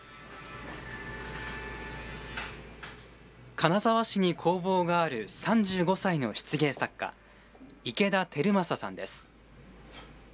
金沢市に工房がある３５歳の漆芸作家、池田晃将さんです。